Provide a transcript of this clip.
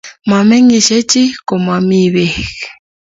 momengishei chii komomii pei